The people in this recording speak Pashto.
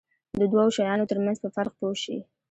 د دوو شیانو ترمنځ په فرق پوه شي.